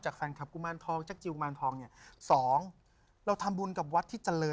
แจ๊คจิลวันนี้เขาสองคนไม่ได้มามูเรื่องกุมาทองอย่างเดียวแต่ว่าจะมาเล่าเรื่องประสบการณ์นะครับ